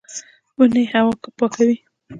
ونې هوا پاکوي